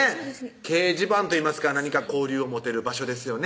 掲示板といいますか何か交流を持てる場所ですよね